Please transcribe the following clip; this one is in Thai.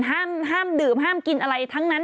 ห้ามดื่มห้ามกินอะไรทั้งนั้น